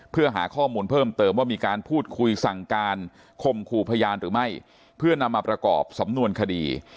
เพื่อหาข้อมูลเพิ่มเติมว่ามีการพูดคุยสั่งการคมขู่พยานหรือไม่เพื่อนำมาประกอบสำนวนคดี